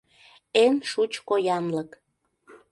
Эн шучко янлык.